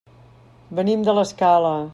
Venim de l'Escala.